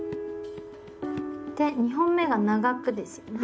で２本目が長くですよね。